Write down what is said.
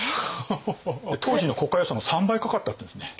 当時の国家予算の３倍かかったっていうんですね。